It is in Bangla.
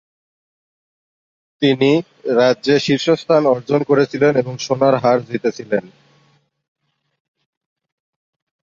তিনি রাজ্যে শীর্ষস্থান অর্জন করেছিলেন এবং সোনার হার জিতেছিলেন।